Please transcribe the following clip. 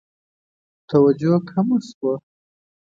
توجه کمه شوه.